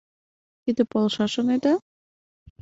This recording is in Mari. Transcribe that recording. — Тиде полша, шонеда?